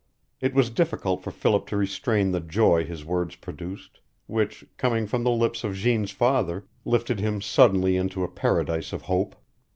It was difficult for Philip to restrain the joy his words produced, which, coming from the lips of Jeanne's father, lifted him suddenly into a paradise of hope.